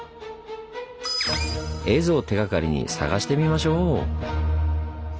絵図を手がかりに探してみましょう！